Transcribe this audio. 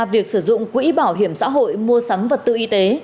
việc sử dụng quỹ bảo hiểm xã hội mua sắm vật tư y tế